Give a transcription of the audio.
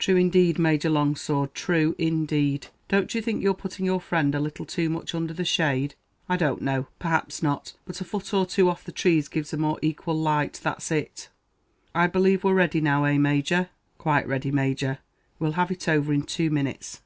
"True, indeed, Major Longsword; true, indeed. Don't you think you're putting your friend a leetle too much under the shade? I don't know perhaps not but a foot or two off the trees gives a more equal light; that's it." "I believe we're ready now eh, Major?" "Quite ready, Major. We'll have it over in two minutes."